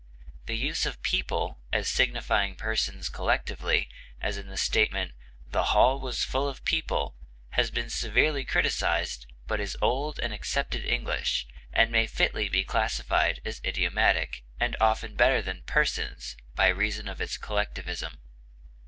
The use of people as signifying persons collectively, as in the statement "The hall was full of people," has been severely criticized, but is old and accepted English, and may fitly be classed as idiomatic, and often better than persons, by reason of its collectivism.